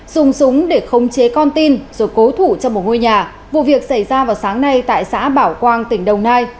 dùng súng để khống chế con tin rồi cố thủ trong một ngôi nhà vụ việc xảy ra vào sáng nay tại xã bảo quang tỉnh đồng nai